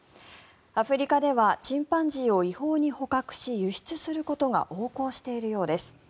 アフリカではチンパンジーを違法に捕獲し輸出することが横行しているようです。